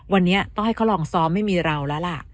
วันนี้ต้องให้เขาลองซ้อมไม่มีเราแล้วล่ะ